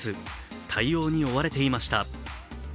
対応に追われていました。